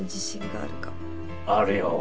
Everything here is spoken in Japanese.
あるよ。